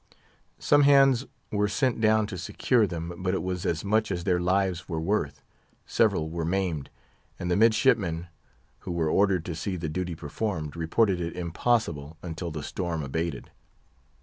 Some hands were sent down to secure them; but it was as much as their lives were worth. Several were maimed; and the midshipmen who were ordered to see the duty performed reported it impossible, until the storm abated.